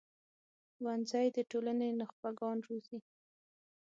ښوونځی د ټولنې نخبه ګان روزي